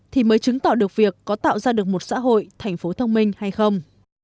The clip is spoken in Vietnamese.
thì mới chứng tỏ được việc có tạo ra được một xã hội thành phố thông minh hay không